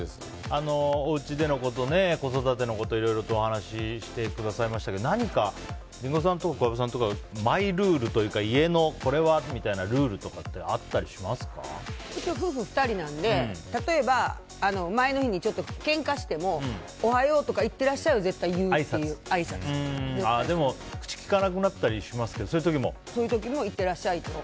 おうちでのこと、子育てのこといろいろとお話ししてくださいましたけどリンゴさんとか小籔さんとかマイルールというか家のこれはみたいなルールとかってうちは夫婦２人なんで例えば前の日にけんかしてもおはようとか行ってらっしゃいはでも、口きかなくなったりしますけどいってらっしゃいと。